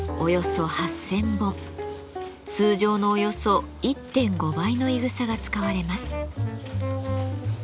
通常のおよそ１．５倍のいぐさが使われます。